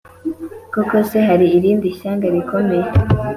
Koko se, hari irindi shyanga rikomeye